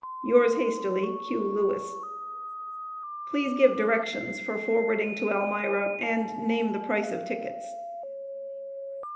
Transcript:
Yours hastily, Q. LEWIS. Please give directions for forwarding to Elmira and name the price of tickets.